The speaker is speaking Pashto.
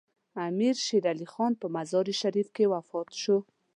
امیر شیر علي خان په مزار شریف کې وفات شو.